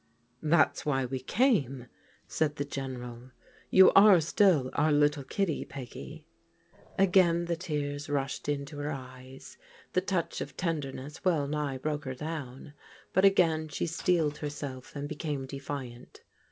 "" That's why we came," said the GeneraL " You are still our little kiddie, Peggy." Again the tears rushed into her ^es. The touch of tenderness well nigh broke her down, but again she steeled herself and became defiant.